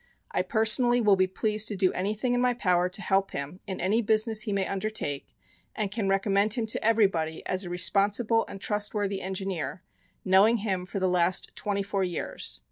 I personally will be pleased to do anything in my power to help him in any business he may undertake, and can recommend him to everybody as a responsible and trustworthy Engineer, knowing him for the last twenty four years.